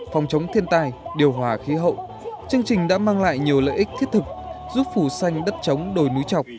phòng chống thiên tai điều hòa khí hậu chương trình đã mang lại nhiều lợi ích thiết thực giúp phủ xanh đất chống đồi núi chọc